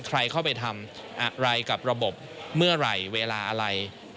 ใครเข้าไปทำอะไรกับระบบเมื่อไหร่เวลาอะไร